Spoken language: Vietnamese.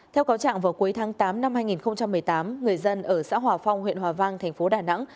theo cáo trạng vào cuối tháng tám năm hai nghìn một mươi tám người dân ở xã hòa phong huyện hòa vang thành phố đà nẵng